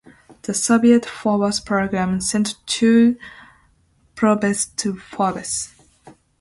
The Soviet Phobos program sent two probes to Phobos.